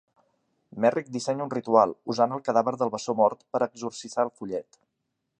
Merrick dissenya un ritual, usant el cadàver del bessó mort, per a exorcitzar al follet.